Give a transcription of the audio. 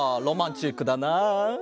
ロマンチックだな。